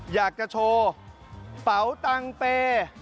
อยากจะโชว์เป๋าตังเปย์